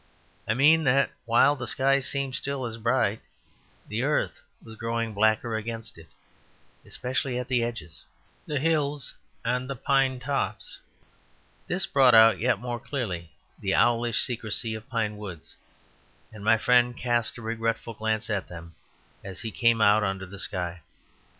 I mean that while the sky seemed still as bright, the earth was growing blacker against it, especially at the edges, the hills and the pine tops. This brought out yet more clearly the owlish secrecy of pine woods; and my friend cast a regretful glance at them as he came out under the sky.